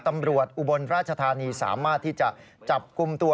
ตำรวจอุบลราชธานีสามารถที่จะจับกุมตัว